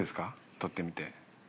撮ってみて。